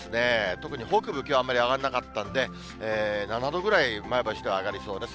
とくに北部、きょうはあんまり上がらなかったので、７度ぐらい、前橋では上がりそうです。